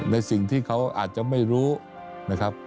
ในสิ่งที่เขาอาจจะไม่รู้นะครับ